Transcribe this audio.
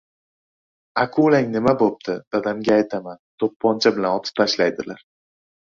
— Akulang nima bo‘pti! Dadamga aytaman, to‘pponcha bilan otib tashlaydilar.